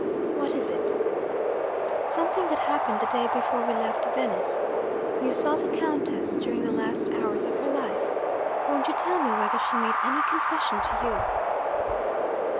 'What is it?' 'Something that happened the day before we left Venice. You saw the Countess, during the last hours of her life. Won't you tell me whether she made any confession to you?'